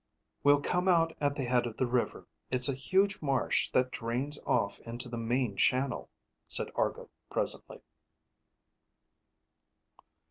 "We'll come out at the head of the river. It's a huge marsh that drains off into the main channel," said Argo presently.